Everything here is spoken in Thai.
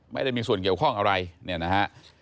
ไม่ได้มีส่วนเกี่ยวข้องอะไรเนี่ยนะฮะ